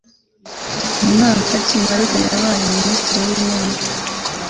Ni mwaka iki Marita yabaye Minisitiri w'Intebe?